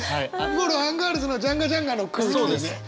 もろアンガールズのジャンガジャンガの空気だよね。